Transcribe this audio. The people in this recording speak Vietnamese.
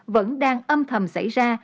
vẫn đang âm thầm xảy ra